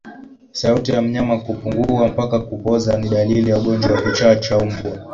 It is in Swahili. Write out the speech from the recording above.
Sauti ya mnyama kupungua mpaka kupooza ni dalili ya ugonjwa wa kichaa cha mbwa